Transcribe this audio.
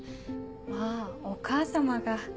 まぁお母さまが。